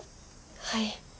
はい。